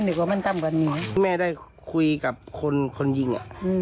ลูกคุยกับคนยิง